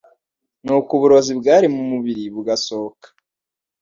nuko uburozi bwari mu mubiri bugasohoka.